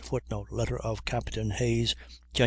[Footnote: Letter of Capt. Hayes, Jan.